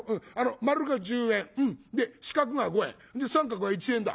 丸が十円で四角が五円で三角は一円だ」。